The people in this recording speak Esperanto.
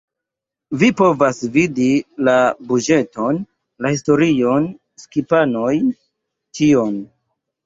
Vi povas vidi la buĝeton, la historion, skipanojn, ĉion